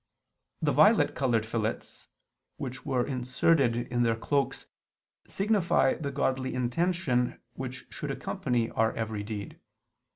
The violet colored fillets which were inserted in their cloaks signify the godly intention which should accompany our every deed.